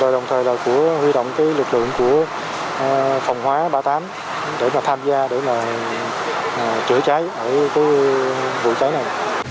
đồng thời là huy động lực lượng của phòng hóa ba mươi tám để tham gia chữa cháy vụ cháy này